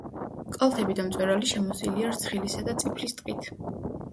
კალთები და მწვერვალი შემოსილია რცხილისა და წიფლის ტყით.